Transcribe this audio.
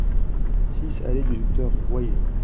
six allée du Docteur Royer